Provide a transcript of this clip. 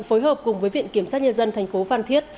phối hợp cùng với viện kiểm sát nhân dân thành phố phan thiết